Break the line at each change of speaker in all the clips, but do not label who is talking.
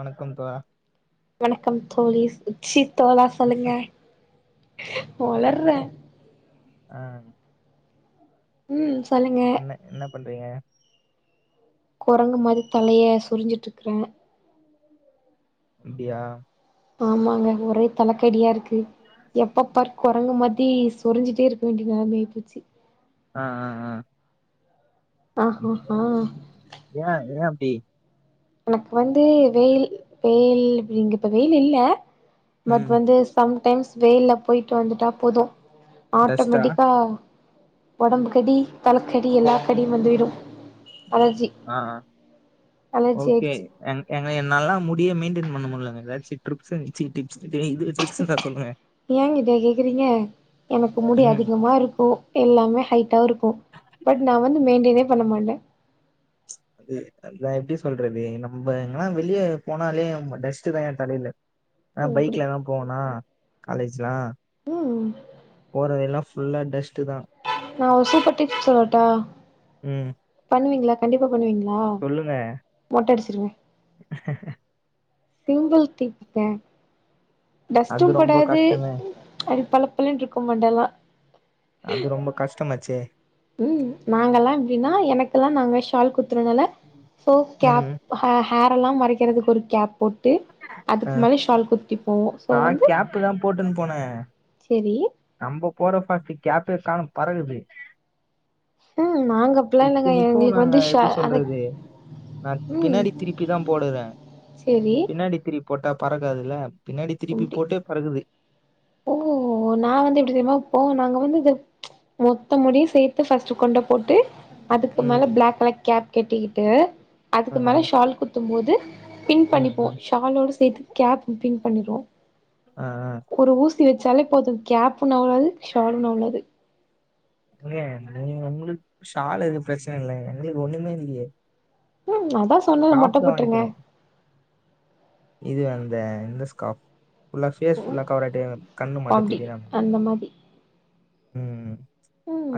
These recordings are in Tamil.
வணக்கம் தோழா
வணக்கம் தோழி ச்சி தோழா சொல்லுங்க ஒளர்றே
அ ம்
ம் சொல்லுங்க
என்ன பண்றீங்க
குரங்கு மாரி தலைய சொறிஞ்சிட்டு இருக்குறே
அப்டியா
ஆமாங்க ஒரே தலக்கடியா இருக்கு எப்பப் பார் குரங்கு மாதி சொறிஞ்சிட்டே இருக்க வேண்டிய நெலமையாப்போச்சி
அ அ அ
ஆஹ்ஹா
ஏயா ஏயா அப்டி
எனக்கு வந்து வெயில் வெயில் இங்க இப்ப வெயில் இல்ல பட்
ம்
வந்து சம்டைம்ஸ் வெயில்ல போயிட்டு வந்துட்டா போது
டஸ்டா
ஆட்டோமேட்டிக்கா ஒடம்புக்கடி தலக் கடி எல்லா கடியு வந்து விடும் அலர்ஜி அலர்ஜி
கே
ஆயிடுச்சு
எங் எங்கல என்னால்லலா முடிய மெயின்டெய்ன் பண்ண முடியலங்க எதாச்சி டிரிப்ஸ்சு ச்சி டிப்ஸ்சு
ஏங்கிட்டயா கேக்குறீங்க எனக்கு முடி
ம்
அதிகமா இருக்கு எல்லாமே ஹைட்டா இருக்கு பட் நா வந்து மெயின்டெய்னே பண்ண மாட்டே
அது அதா எப்டி சொல்றது நம்ப எங்கனா வெளியே போனாலே டஸ்ட் தா என் தலையில
ஓ
நா
அப்டி
பைக்லலா போவேனா காலேஜ்லா
ம்
போறவழில்லா ஃபுல்லா டஸ்ட் தா
நா ஒரு சூப்பர் டிப்ஸ் சொல்லட்டா
ம்
பண்ணுவீங்களா கண்டிப்பா பண்ணுவீங்களா
சொல்லுங்க
மொட்ட அடிச்சிருங்க சிம்பிள் டிப்புங்க டஸ்ட்டும்
அது ரொம்ப
படாது
கஷ்டமே
அப்டி பலப்பலன்னு இருக்கு மண்டெல்லா
அது ரொம்ப கஷ்டோமாச்சே
ம் நாங்கெல்லா எப்டின்னா எனக்குல்லா நாங்க ஷால் குத் குத்துறதுனால சோ கேப்
ம்
ஹே ஹேர் எல்லாம் மட் மறைக்கிறதுக்கு ஒரு கேப் போட்டு
ஆ
அதுக்கு மேல ஷால் குத்திப்
நா கேப்புதா போட்டுன்னு போனே
செரி
நம்ப போற பாஸ்ட்டுக்கு கேப்பே காணு பறக்குது
ம் நாங்க அப்டிலா இல்லங்க
இத்தினிக்கு
எங்களுக்கு
நாங்க
வந்து ஷ
எப்டி
அந்த
சொல்றது நா
ம்
பின்னாடி திருப்பி தா போடுறே
சேரி
பின்னாடி திருப் போட்டா பறக்காதுல்ல பின்னாடி திருப்பி
அப்டி
போட்டே பறக்குது
ஓ நா வந்து எப்டி தெர்மா இப்போ நாங்க வந்து இது மொத்த முடியும் சேத்து ஃபஸ்ட்டு கொண்டப் போட்டு அதுக்கு மேல
ம்
பிளாக் கலர் கேப் கெட்டிக்கிட்டு
ஆ
அதுக்கு மேல ஷால் குத்தும் போது பின்
ம்
பண்ணிப்போ
ம்
ஷாலோடு சேத்து கேப் பின் பண்ணிருவோ
ஆ ஆ
சிருச்சாலே போதும் கேப்பும் நவுறாது ஷாலு நவுலாது
எங்க நீங்க உங்களுக்கு சால் எதும் ப்ரச்சனை இல்ல எங்களுக்கு ஒண்ணுமே இல்லேயே
ம் அதா சொன்னேல மொட்ட போட்ருங்க
இது அந்த இந்தஸ்காப் ஃபுல்லா பேஸ் ஃபுல்லா
ம்
கவர் ஆயிட்டு கண்ணு மட்டு
அப்டி
தெரியிற மாரி
அந்த
ம் ம்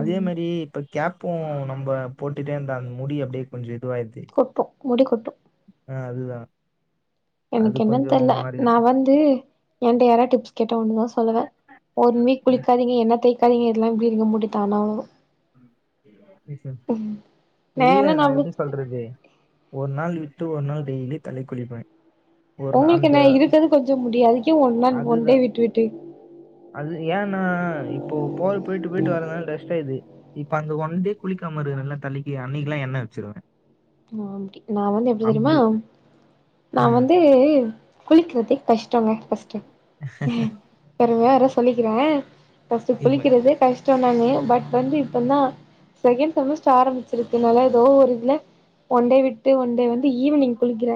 அதே மாரி இப்ப கேப்பும் நம்ம போட்டுட்டே இந்தா அந்த முடி அப்டியே கொஞ்ச எடுத் இதுவாயிருது
கொட்டு முடி கொட்டு
ஆ அதுதா
எனக்கு என்னன்னு தெர்ல நா வந்து என்ட யாராது டிப்ஸ் கேட்டா ஒன்னுதா சொல்லுவே ஒன் வீக்
ம்.
குளிக்காதீங்க எண்ண தேக்காதீங்க இதெல்லா இப்டி இருங்க முடித்தானா வளரு
[unintelligible] இல்ல
என்ன
நா எப்டி
நம்மளுக்கு
சொல்றது ஒரு நாள் விட்டு ஒரு நாள் டெயிலியு தலைக்குழிப்பே
உங்களுக்கு என்ன இருக்குறது கொஞ்ச முடி அதுக்கே ஒன்னா ஒன்டே
அதுதான்.
விட்டு விட்டு
அது ஏன்னா இப்போ போர் போய்டு போய்டு வறதுனால டஸ்ட் ஆயிருது இப்ப அந்த ஒன்டே குளிக்காம இருக்குறேல தலைக்கி அன்னைக்கெல எண்ண வச்சுருவே
நா அப்டி நா வந்து எப்டி தெரியுமா நா
ம்.
வந்து குளிக்கிறதே கஷ்டோங்க பஸ்டு பெருமையா வேற சொல்லிக்கிறே பஸ்ட்டு
இப்ப
குளிக்கிறதே கஷ்டோ தானே பட் வந்து
ம்.
இப்பல்லா செகண்ட் செமஸ்டர் ஆரம்பிச்சிருக்குனால எதோ ஒரு இதுல ஒன்டே விட்டு ஒன்டே வந் ஈவினிங் குளிக்குற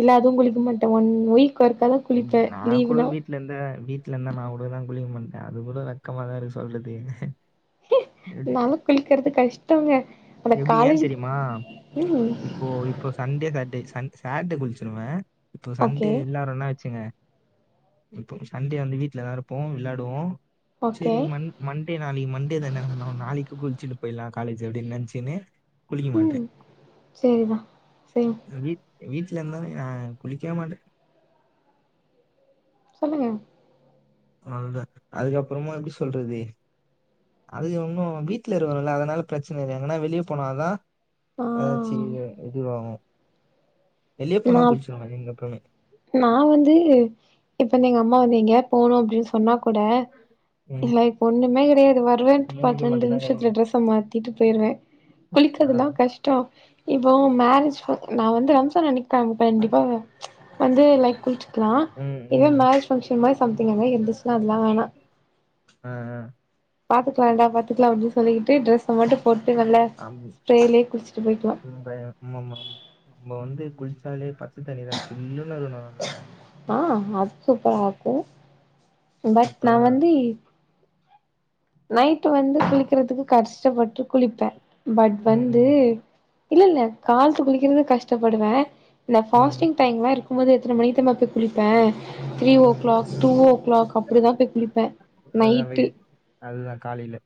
இல்ல அதுவு குளிக்க மாட்டே ஒன் வீக் ஒர்காதா
ம்.
குளிப்பே
நான் கூட
லீவுனா
வீட்ல இருந்தா வீட்ல இருந்தா நா கூட தா குளிக்க மாட்டே அது கூட வெக்கமா தா இருக்கு சொல்றதுக்கு
நாலா குளிக்குறது கஷ்டோங்க ஆனா
எப்டி ஏன்
காலேஜுக்கு
தெரியுமா
ம்
இப்போ இப்போ சண்டே சாட்டர்டே சன் சாட்டர்டே குளிச்சுருவே இப்போ
ஓகே
சண்டே இல்லாறனா வச்சுங்க இப்போ சண்டே வந்து வீட்டுலதா இருப்போ விளாடுவோ
ஓகே
செரி மண் மண்டே நாளைக்கி மண்டே தான நம்ம நா நாளைக்கு குளிச்சுட்டு போயிட்லா காலேஜு அப்டின்னு நெனச்சு யினே குளிக்க மாட்டே
ம் சேரிதா சேரி
இத வீட் வீட்ல எருந்தோன நா குளிக்கவே மாட்டே
ம்
நல்தா அதுக்கப்பறமா எப்டி சொல்றது அதுக ஒன்னு வீட்ல இருக்குறோல்ல அதுனால ப்ரச்சன இல்ல எங்கன்னா வெளிய போனதா
ஆ
அதாச்சு இங்க இதுவாகு
நா
எங்க எப்பவுமே
நா வந்து இப்ப வந்து எங்க அம்மா வந்து எங்கயாது போனு அப் சொன்னா கூட
ம்
இல்ல இப்ப ஒண்ணுமே கெடையாது வருவேன்ட்டு
மூஞ்சி
பத்து ரெண்டு
மட்டும் தான்
நிமிஷத்துல
கழுவுவேன்
ட்ரஸ மாத்திட்டு போயிருவே
ஆ
குளிக்கிறதுலா கஷ்டோ இப்போ மேரேஜ் நா வந்து ரம்ஜான் அன்னைக்கி கம் கண்டிப்பா வெ வந்து லைக் குளிச்சுக்லா
ம்
இதுவே
ம்
மேரேஜ் ஃபங்க்ஷன் மாரி சம்திங் என்னா இருந்துச்சுன்னா அதுல்லா வேணா
ஆ ஆ
பாத்துக்லான்டா பாத்துக்லா அப்டின்னு சொல்லிக்கிட்டு ட்ரஸ மட்டும்
அம்
போய்க்கலா
[unintelligible] நம்ம வந்து குள்ச்சாலே பா
ஆ அது சூப்பரா இருக்கு பட் நா
அப்பதா
வந்து நைட் வந்து குளிக்கிறதுக்கு கஷ்டப்பட்டு குளிப்பே பட்
ம்
வந்து
ம்
இல்ல இல்ல காலத்துக்கு குளிக்கிறதுக்கு கஷ்டப்படுவே இந்த
ம்
ஃபாஸ்டிங் டைம்லா இருக்கும்போது எத்தன மணிக்கி தெரியுமா போய் குளிப்பே three
hmm
o
hmm
clock two o'clock அப் அப்டிதா போய் குளிப்பே
அதான்
நைட்டு
வெடி காலில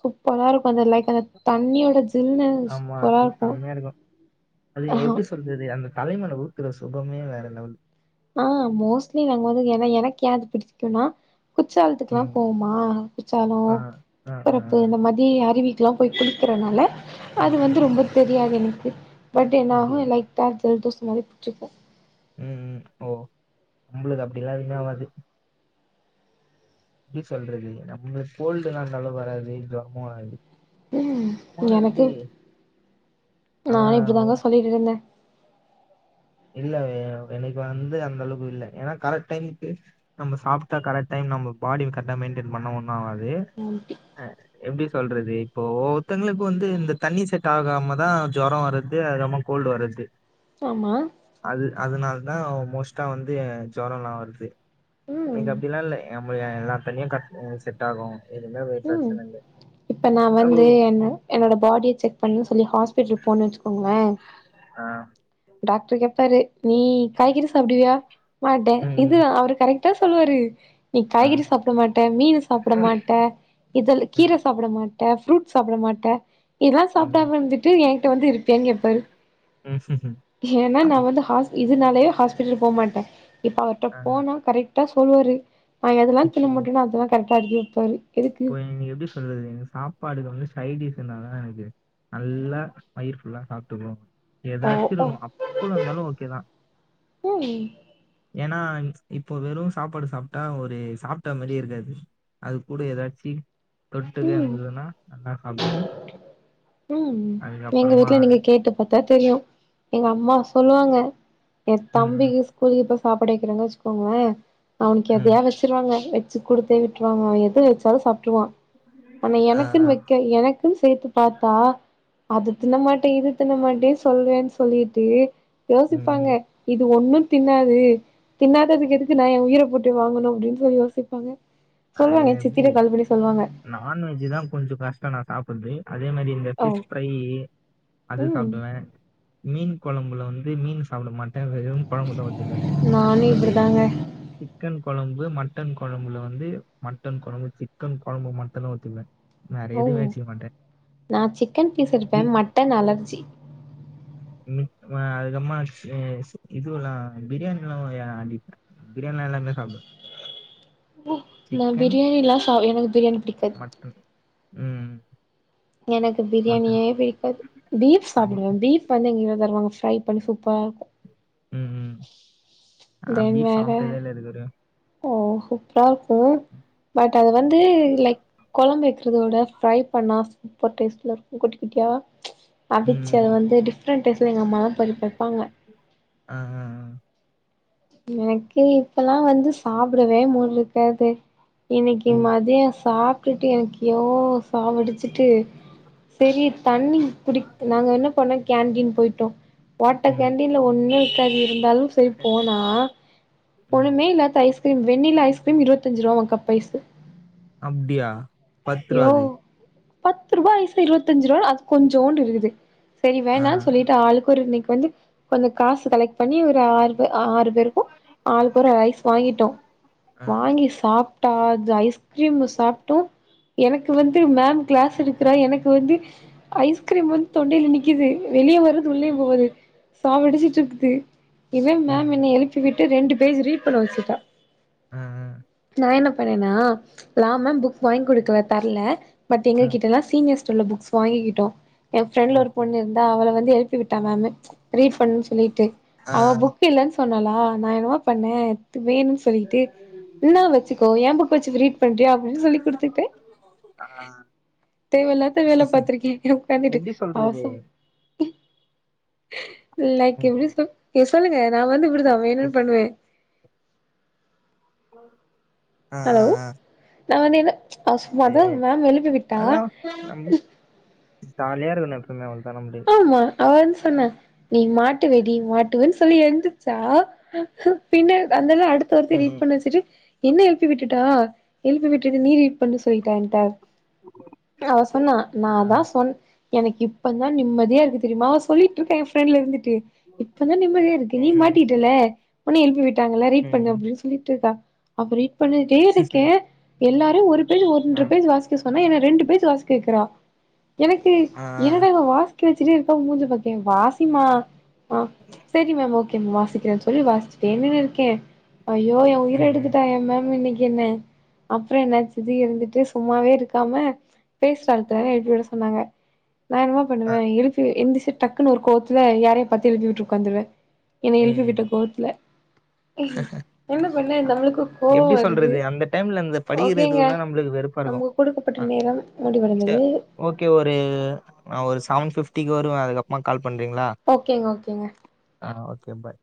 சூப்பரா இருக்கு அந்த லைக் அந்த தண்ணியோட ஜில்னஸ்
ஆமா
சூப்பரா
அது
இருக்கு
செமையா அது
ஆஹா
எப்டி சொல்றது அந்த தலைமேல ஊத்தற சுகமே வேற லெவல்
ஆஹ் மோஸ்ட்லி நாங்க வந்து என்னா எனக்கு ஏன் அது புடிக்குனா குச்சாலத்துக்கெல்லா
ம்
போமா குச்சாலோ
ஆ ஆ ஆ ஆ
திற்பரப்பு இந்த மாதி அருவி குளிக்கறனால அது
ம்
வந்து
ம்
ரொம்ப தெரியாது எனக்கு பட்
அப்டியா
என்னாகும் லைட்டா ஜல்தோஷோ மாரி புச்சுக்கோ
ம் ம் ஓ நம்மளுக்கு அப்டில்லா எதுமே ஆவாது எப்டி சொல்றது நம்ளுக் கோல்டுல்லா அந்தளவுக் வராது ஜொரமு வராது
உம்
சும்மா
எனக்கு
எப்டி
நானு இப்டி
ஆனா
தாங்க சொல்லிட்டு இருந்தே
இல்ல எனக்கு வந்து அந்த அளவுக்கு இல்ல ஏன்னா கரெக்ட் டைமுக்கு நம்ம சாப்ட்டா கரெக்ட் டைம் நம்ம பாடி கரெட்டா மெயின்டெயின் பண்ண ஒண்ணும் ஆவாது
ம்
எப்டி சொல்றது இப்போ ஒவ்வொத்தங்களுக்கு வந்து இந்த தண்ணி செட் ஆகாம தா ஜொரம் வருது அதுக்கப்றமா கோல்டு வரது
ஆமா
அதனால தான் மோஸ்ட்டா வந்து ஜொரோல்லா வருது எனக்கு
ம்
அப்டில்லா இல்ல எல்லா தண்ணியும் கர்ட் செட்டாகும் எதுமே ஒரு
ம்
பிரச்சன இல்ல
இப்ப நா
அது
வந்து என்ன என்னோட பாடிய செக் பண்ணு சொல்லி ஹாஸ்பிட்ல போனே வச்சுக்கோங்களே
ஆஹ்
டாக்டர் கேப்பாரு நீ காய்கறி சாப்டுவியா மாட்டே
ம்
இது
ம்
அவரு கரெக் ட்டா சொல்லுவாரு நீ
ஆ
காய்கறி சாப்பிட மாட்ட மீனு சாப்பிட மாட்ட இதல கீரை
ம்
சாப்பிட மாட்ட ஃப்ரூட் சாப்பிட மாட்ட இதெல்லா
ம்
சாப்பிடாம இருந்துட்டு என்கிட்ட வந்து ட்டியான்னு கேப்பாரு
ம்
ஏன்னா நா
ஆமா
வந்து ஹாஸ் இதனாலயே ஹாஸ்பிட்டலு போ மாட்ட இப்ப அவர்ட்ட
ஆ
போனா கரெக்டா சொல்லுவாரு ந எதுல்லா
இப்போ
தின்னமாட்டேன்னோ அதெல்லா கரெக்டா அடுக்கி வைப்பாரு எதுக்கு
இப்போ எனுக் எப்டி சொல்றது இந்த சாப்பாடுல வந்து சைடிஸ் இந்தாதா எனக்கு நல்லா வயிர்ஃபுல்லா சாப்ட்டு போவ
ஓ ஓ
ஏதாச்சுருக்கனு அப்பளு இந்தாலு ஓகேதா
ம்
ஏனா இப்போ வெறும் சாப்பாடு சாப்ட்டா ஒரு சாப்ட்டா மாரியே இருக்காது அது கூடோ ஏதாச்சு தொட்டுக்க
ம்
இருந்ததுன்னா நல்லா சாப்ட்டு
உம் எங்க வீட்ல நீங்க கேட்டுப் பாத்தா தெரியும் எங்க அம்மா சொல்லுவாங்க என்
ம்
தம்பிக்கு ஸ்கூலுக்கு பாஸ் சாப்பாடு வைக்கிறங்க வச்சுக்கோங்களே அவனுக்கு
ம்
எதயாது வச்சுருவாங்க வச்சு குடுத்தே விட்டுருவாங்க அவன் எத வச்சாலும் சாப்ட்ருவான் ஆனா
ஆ
எனக்குன்னு
ஆ,
வைக்க எனக்குன்னு சேத்து பாத்தா அது தின்னமாட்டே இது தின்னமாட்டே சொல்வேன்னு சொல்லிட்டு யோசிப்பாங்க
ம்
இது ஒன்னு தின்னாது தின்னா துக்கு எதுக்கு நான் என் உயிர போட்டு வாங்கணும் அப்டின் சொல்லி யோசிப்பாங்க
அது
சொல்லுவாங்க என்
எப்படி
சித்திக்கு கால் பண்ணி சொல்லுவாங்க
நான்வெஜ் தா கொஞ்ச கஷ்டம் நா சாப்பற்து அதே மாரி இந்த
ஓ
ஃபிஷ் ஃப்ரை அது
ம்
சாப்டுவ மீன் கொழம்புல வந்து மீன் சாப்பிட மாட்டே வெறும் கொழம்புமட்டு ஊத்திப்ப அதே
நானு
மாரி
இப்டிதாங்க
சிக்கன் கொழம் பு மட்டன் கொழம்புல வந்து மட்டன் கொழம்பு சிக்கன் கொழம்பு மட்டுந்தா ஊத்திக்குவ
ஓ நா சிக்கன் பீஸ் எடுப்பே மட்டன் அலர்ஜி
ம் வ அதுக்கப்றமா சி சி இதுவெல்லா பிரியாணில்லா அடிப்பே பிரியாணில எல்லாமே சாப்புடுவே
ஓ நா பிரியாணில்லாம் சாப் எனக்கு பிரியாணி புடிக்
மட்டன் உம்ம்
எனக்கு பிரியாணியே பிடிக்காது பீஃப்
அடி
சாப்பிடுவே பீஃப் வந்து இங்க தருவாங்க ஃரை பண்ணி சூப் ப்ப
ம் ம் ஆ
தென்
பீஃப்
வேற
சாப்ட்டதே இல்ல இதுவரையு
சூப்ரா இருக் ம் பட் அது வந்து லைக் கொழம் வக்கறதோட ஃப்ரை பண்ணா ரொம்ப டேஸ்ட்ல இருக்கு குட்டி குட்டியா
ம்
அபிச்சு அது
ம்
வந்து டிஃப்ரெண்ட் டேஸ்ல எங்க அம்மாலா பருப் வப்பாங்க
ஆ ஆ ஆ
எனக்கு இப்பெல்லா வந்து சாப்பிடவே மூடு இருக்காது இன்னைக்கி
ம்
மதிய சாப்ட்டுட்டு எனக்கு யோ சாவடிச்சிட்டு செரி தண்ணி குடி நாங்க என்ன பண்ணோ கேன்டீன் போய்ட்டோ ஓட்ட
ம்
கேண்டின்ல ஒண்ணு இருக்காது இருந்தாலு சரிப் போனே அ
ம்
ஒண்ணுமே இல்லாத்த ஐஸ்க்ரீம் வெண்ணிலா ஐஸ்க்ரீம் இருவத்தஞ்சு ருவாவா கப் ஐஸ்ஸீ
அப்டியா பத்ருவாது
பத்ருவா ஐஸ் இருவத்தஞ்ருவா அது கொஞ்ஜோண்டு இருக்குது சரி
ஆ
வேணான்னு சொல்லிட்டு ஆளுக்கொரு வந்து கொஞ்ச காசு கலெக்ட் பண்ணி ஒரு ஆறு ஆறு பேருக்கு ஆளுக்கொரு ஐஸ் வாங்கிட்டோ
ஆ
வாங்கி சாப் டா அது ஐஸ்க்ரீமு சாப்ட்டோ எனக்கு வந்து மேம் க்ளாஸ் எடுக்குறா எனக்கு வந்து ஐஸ்க்ரீம் வந்து தொண்டைல நிக்குது வெளிய வருது உள்ளயு
ம்.
போவுது சாவடிச்சுட்ருக்குது இவே
ம்.
மேம் என்ன
ம்.
எழுப்பி விட்டு ரெண்டு பேஜ் ரீட் பண்ண வச்சுட்டா
ம் ம்
நா என்ன பண்ணேணா லா மேம் புக் வாங் கொடுக்கல தர்ல பட் எங்ககிட்டல்லா சீனியர்ஸ் சொல்லு புக்ஸ் வாங்கிகிட்டோ எ ஃபிரெண்ட்ல
ம். ம்.
ஒருபொண்ணு இருந்தா அவல வந்து எழுப்பிவிட்டா மேமு ரீட் பண்ணு சொல்லிட்டு
ஆ.
அவ புக் இல்லன்னு சொன்னாளா நா என்னமா பண்ணே வேனுன் சொல்லிகிட்டே இந்தா வச்சுக்கோ எ புக் வச்சு ரீட் பண்றியா அப்டினு சொல்லி குடுத்துட்டே
அ
தேவல்லாத வேல பாத்திருக்கே எ உட்காந்திட்டு
எப்டி சொல்றது?
ஆசம் லைக் இப்டி
ம்.
சொ சொல்லுங்க நா வந்து இப்புடிதா வேணும்ன்னு
இப்
பண்ணுவே
அ அ
ஹலோ
அ
நா வந்து என்ன மத மேம் எழுப்பி விட்டா
அதெல்லாம் நம் ஜாலியா இருக்கனு எப்பமே வந்
ஆமா அவன்ஸ் சொன்ன நீ மாட்டுவடி மாட்டுவன்னு சொல்லி எந்துச்சா பின்ன அந்தெல்லா அ அடுத்த ஒருத்தி
ம்.
ரீட்
ம்.
பண்ண வச்சுட்டு என்ன எழுப்பி விட்டுட்டா எழுப்பி விட்டுட்டு நீ ரீட் பண்ணு சொல்லிட்ட என்ட அவ சொன்னா
ஆ.
நாதா சொன் எனக்கு இப்பதா நிம்மதியா இருக்கு தெரியுமா சொல்லிட்ருக்கே எ ஃப்ரெண்டல இருந்து இப்பதா நிம்மதியா இருக்கு நீ
ம்.
மாட்டிகிட்டல்ல ஒன்ன எழுப்பி விட்டாங்கள ரீட் பண்ணு
ம்.
அப்டின்னு சொல்லிட்டு இருக்கா அப்போ ரீட் பண்ணிட்டே இருக்கே
ம்.
எல்லாரு ஒரு பேஜ்
ஆ.
ஒன்ர பேஜ் வாசிக்க சொ என ரெண்டு பேஜ் வாசிக்க வைக்கிறா எனக்கு
ஆ.
என்னட இவ வாசிக்க வச்சுட்டே இருக்கா ஓகே வாசிமா அ செரி மேம் ஓகே மேம் வாசிக்றேனு சொல்லி வாசிட்டே நின்னு கே ஐயோ எ உயிர
ம். ம்.
எடுத்துட்டா ஏ மேம் இன்னக்கி என்ன அப்ற என்னாச்சு ஜி இருந்துட்டு சும்மாவே இருக்காம பேசுற ஆட்கள எழுப்பி விட சொன்னாங்க நா என்னமா
ஆ.
பண்ணுவே எழுப்பி எந்திர்ச்சு டக்குன்னு ஒரு கோவத்துல யாரைய பாத்து எழுப்பி விட்டு உக்காந்துருவே என்னை எழுப்பி விட்ட
ம்.
கோவத்துல பண்ண நம்முளுக்கு கோவ
எப்டி
வருது
சொல்றது? அந்த டைம்ல அந்த
ஓகேங்க
படிக்கிறதுலாம் நம்மளுக்கு
நமக்கு குடுக்கப்பட்ட நேரம் முடிவடை
சேர் ஓகே ஒரு நா ஒரு செவன் ஃபிப் டிக்கு வருவே அதுக்கப்றமா கால் பண்றிங்ளா
ஓகேங்க ஓகேங்க
ஓகே பாய்